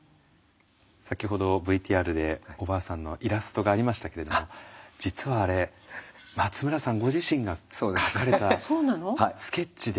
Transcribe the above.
先ほどＶＴＲでおばあさんのイラストがありましたけれども実はあれ松村さんご自身が描かれたスケッチで。